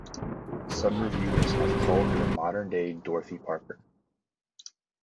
Some reviewers have called her a modern-day Dorothy Parker.